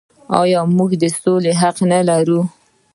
آیا موږ د سولې حق نلرو؟